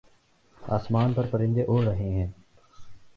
آسمان پر پرندے اڑ رہے ہیں